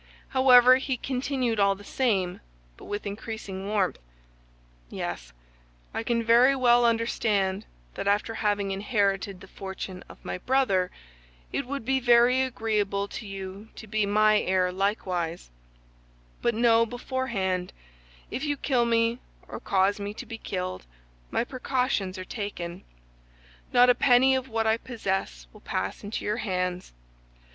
However, he continued all the same, but with increasing warmth: "Yes, I can very well understand that after having inherited the fortune of my brother it would be very agreeable to you to be my heir likewise; but know beforehand, if you kill me or cause me to be killed, my precautions are taken. Not a penny of what I possess will pass into your hands.